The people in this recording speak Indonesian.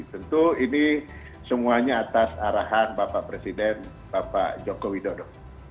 tentu ini semuanya atas arahan bapak presiden bapak joko widodo